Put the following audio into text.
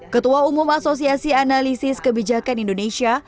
ketua umum asosiasi analisis kebijakan indonesia